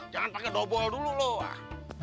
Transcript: jangan pakai dobol dulu loh ah